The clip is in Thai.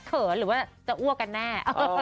เขินหรือว่าจะอ้วกกันแน่